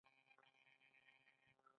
ایا سبزیجات به خورئ؟